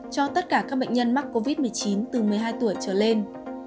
cho tất cả các bệnh nhân mắc covid một mươi chín từ một mươi hai tuổi trở lên